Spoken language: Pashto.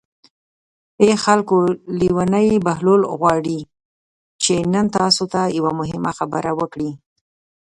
ای خلکو لېونی بهلول غواړي چې نن تاسو ته یوه مهمه خبره وکړي.